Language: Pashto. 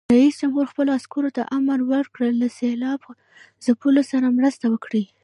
رئیس جمهور خپلو عسکرو ته امر وکړ؛ له سېلاب ځپلو سره مرسته وکړئ!